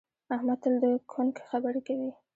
احمد تل د کونک خبرې کوي.